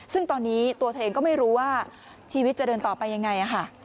ซึ่งตอนนี้ตัวเธอเองก็ไม่รู้ว่าชีวิตจะเดินต่อไปยังไงค่ะ